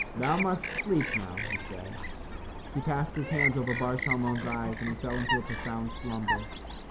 "Thou must sleep now," he said. He passed his hands over Bar Shalmon's eyes and he fell into a profound slumber.